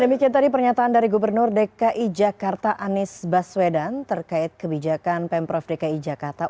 demikian tadi pernyataan dari gubernur dki jakarta anies baswedan terkait kebijakan pemprov dki jakarta